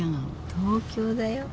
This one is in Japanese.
東京だよ。